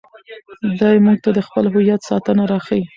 دی موږ ته د خپل هویت ساتنه راښيي.